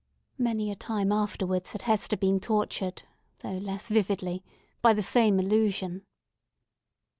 Many a time afterwards had Hester been tortured, though less vividly, by the same illusion.